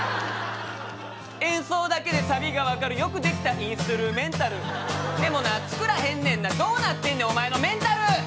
演奏だけでサビが分かるよくできたインストゥルメンタルでもな作らへんねんなどうなってんねんお前のメンタル！